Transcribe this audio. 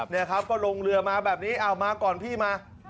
นี่ครับก็ลงเรือมาแบบนี้อ้าวมาก่อนพี่มา